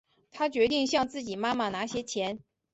她决定向自己妈妈拿些钱